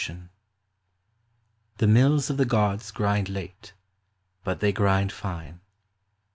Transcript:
(" The mills of the gods grind late, but they grind fine.'